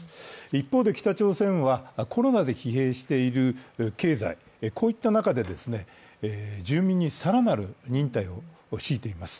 一方で北朝鮮はコロナで疲弊している経済、こういった中で住民に更なる忍耐を強いています。